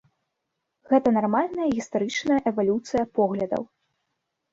Гэта нармальная гістарычная эвалюцыя поглядаў.